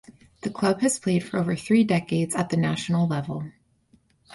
The club has played for over three decades at the national level.